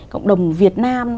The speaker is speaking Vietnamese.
cộng đồng việt nam